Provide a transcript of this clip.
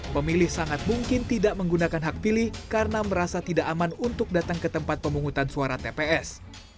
pemilih sangat mungkin tidak menggunakan hak pilih karena merasa tidak aman untuk datang ke tempat pemungutan suara tps